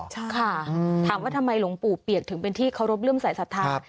ใช่ค่ะถามว่าทำไมหลวงปู่เปียกถึงเป็นที่เคารพเรื่องสายศรัทธา